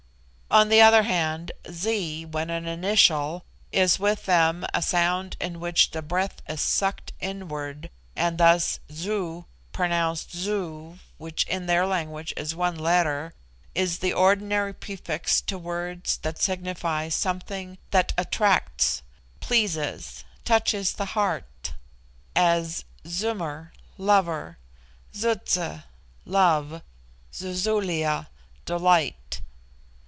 On the other hand, Z, when an initial, is with them a sound in which the breath is sucked inward, and thus Zu, pronounced Zoo (which in their language is one letter), is the ordinary prefix to words that signify something that attracts, pleases, touches the heart as Zummer, lover; Zutze, love; Zuzulia, delight.